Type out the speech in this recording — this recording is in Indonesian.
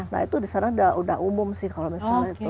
nah itu di sana udah umum sih kalau misalnya itu